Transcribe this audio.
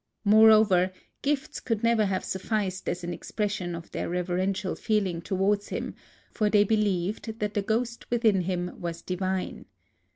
Moreover, gifts could never have sufficed as an expression of their rever ential feeling towards him ; for they believed that the ghost within him was divine.